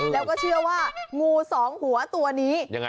แล้วก็เชื่อว่างูสองหัวตัวนี้